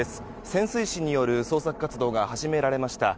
潜水士による捜索活動が始められました。